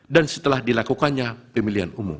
dan setelah dilakukannya pemilihan umum